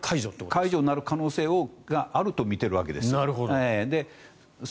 解除になる可能性があるとみているわけです。